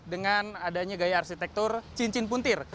dengan adanya gaya arsitektur cincin puntir